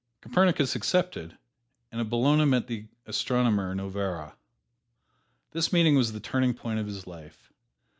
Copernicus accepted, and at Bologna met the astronomer, Novarra. This meeting was the turning point of his life.